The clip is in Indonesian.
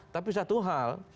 tapi satu hal